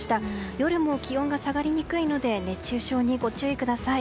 夜も気温が下がりにくいので熱中症にご注意ください。